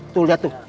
tuh liat tuh